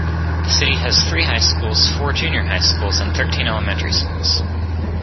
The city has three high schools, four junior high schools, and thirteen elementary schools.